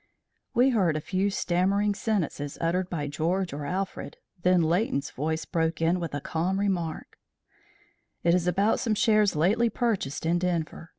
We heard a few stammering sentences uttered by George or Alfred, then Leighton's voice broke in with the calm remark: "It is about some shares lately purchased in Denver.